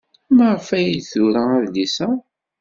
Maɣef ay d-tura adlis-a?